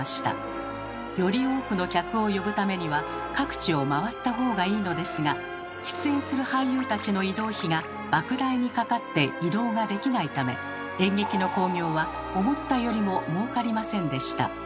より多くの客を呼ぶためには各地を回ったほうがいいのですが出演する俳優たちの移動費がばく大にかかって移動ができないため演劇の興行は思ったよりももうかりませんでした。